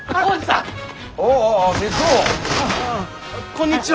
こんにちは。